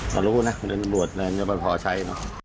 เรารู้นะบริษัทบริษัทบริษัทพอใช้